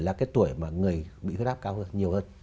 là cái tuổi mà người bị huyết áp cao hơn nhiều hơn